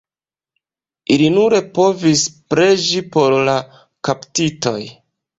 Ili nur povis preĝi por la kaptitoj.